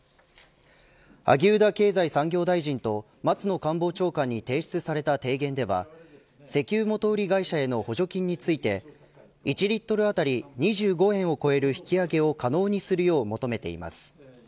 萩生田経済産業大臣と松野官房長官に提出された提言では石油元売り会社への補助金について１リットル当たり２５円を超える引き上げを可能にするよう求めています。